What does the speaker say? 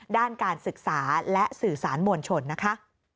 ด้านการศึกษาและสื่อสารมวลชนนะคะ